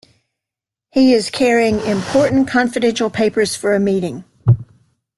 He is carrying important confidential papers for a meeting.